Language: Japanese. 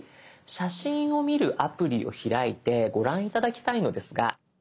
写真を見るアプリを開いてご覧頂きたいのですが。